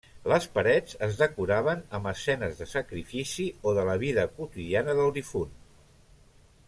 Les parets es decoraven amb escenes de sacrifici o de la vida quotidiana del difunt.